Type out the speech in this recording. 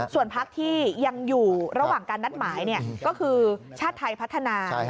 ส่วนพักที่ยังอยู่ระหว่างการนัดหมายก็คือชาติไทยพัฒนา